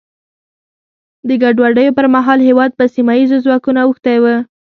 د ګډوډیو پر مهال هېواد په سیمه ییزو ځواکونو اوښتی و.